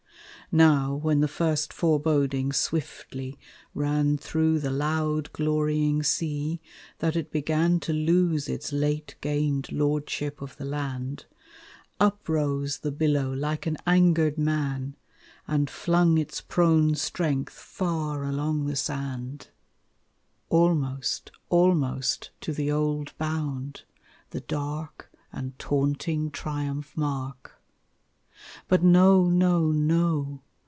Now when the first foreboding swiftly ran Through the loud glorying sea that it began To lose its late gained lordship of the land, Uprose the billow like an angered man, And flung its prone strength far along the sand; Almost, almost to the old bound, the dark And taunting triumph mark. But no, no, no!